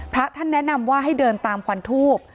พระท่านแนะนำว่าให้เดินตามควันทูบ